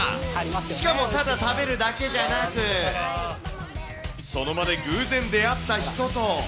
しかもただ食べるだけじゃなく、その場で偶然出会った人と。